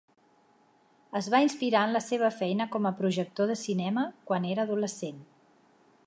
Es va inspirar en la seva feina com a projector de cinema quan era adolescent.